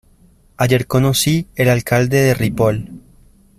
Ayer conocí el alcalde de Ripoll.